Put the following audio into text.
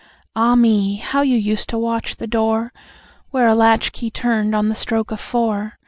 "Ah, me! How you used to watch the door Where a latch key turned on the stroke of four.